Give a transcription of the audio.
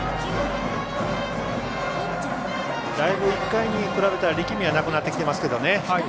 だいぶ１回に比べたら力みはなくなってきてますけどね。